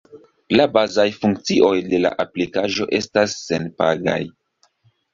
La bazaj funkcioj de la aplikaĵo estas senpagaj.